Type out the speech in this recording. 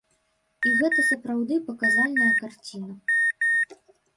І гэта сапраўды паказальная карціна.